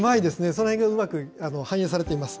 そのへんがうまく反映されています。